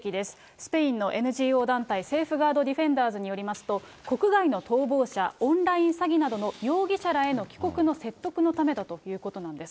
スペインのＮＧＯ団体セーフガード・ディフェンダーズによりますと、国外の逃亡者、オンライン詐欺などの容疑者らへの帰国の説得のためだということなんです。